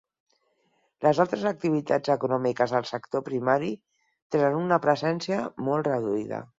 Les altres activitats econòmiques del sector primari tenen una presència molt reduïda.